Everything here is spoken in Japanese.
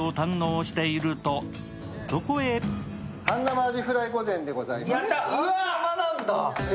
半生アジフライ御膳でございます。